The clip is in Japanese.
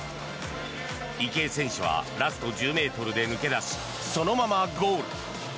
池江選手はラスト１０ｍで抜け出しそのままゴール。